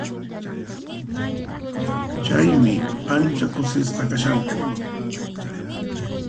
Chaymi ancha kusisqa kashanku.